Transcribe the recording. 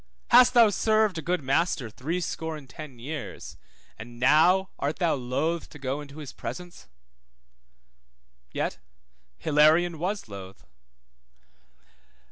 Hast thou served a good master threescore and ten years, and now art thou loth to go into his presence? Yet Hilarion was loth.